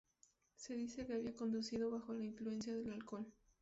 Se dice que había conducido bajo la influencia del alcohol.